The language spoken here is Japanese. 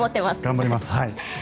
頑張ります。